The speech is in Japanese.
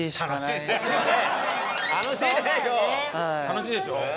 楽しいでしょ？